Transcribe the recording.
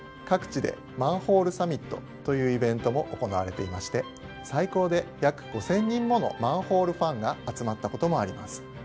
各地で「マンホールサミット」というイベントも行われていまして最高で約５，０００人ものマンホールファンが集まったこともあります。